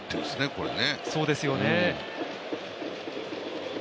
これね。